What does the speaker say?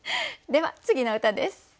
では次の歌です。